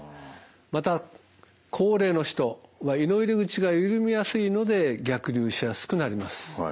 また高齢の人は胃の入り口が緩みやすいので逆流しやすくなります。